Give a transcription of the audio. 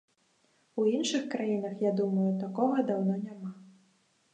У іншых краінах, я думаю, такога даўно няма.